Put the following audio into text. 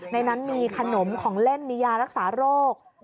ในนั้นมีขนมของเล่นมียารักษาโรค